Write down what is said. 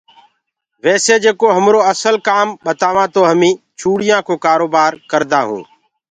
ويسي جيڪو همرو اسل ڪام ٻتاوآنٚ تو همي چوڙيانٚ ڪو ڪآرو بآر ڪردآ هونٚ۔